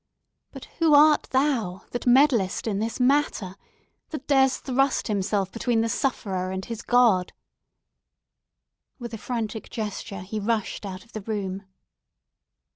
But who art thou, that meddlest in this matter? that dares thrust himself between the sufferer and his God?" With a frantic gesture he rushed out of the room.